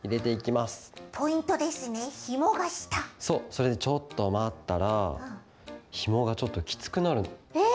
それでちょっとまったらひもがちょっときつくなるの。え！？